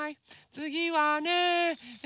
つぎはね。